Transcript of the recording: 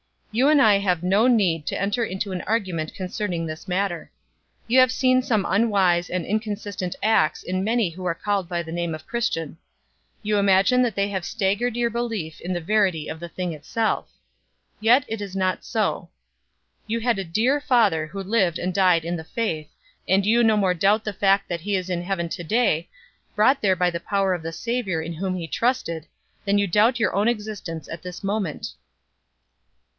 You and I have no need to enter into an argument concerning this matter. You have seen some unwise and inconsistent acts in many who are called by the name of Christian. You imagine that they have staggered your belief in the verity of the thing itself. Yet it is not so. You had a dear father who lived and died in the faith, and you no more doubt the fact that he is in heaven to day, brought there by the power of the Savior in whom he trusted, than you doubt your own existence at this moment."